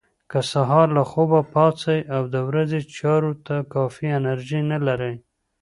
که سهار له خوبه پاڅئ او د ورځې چارو ته کافي انرژي نه لرئ.